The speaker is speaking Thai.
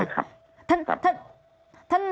ครับ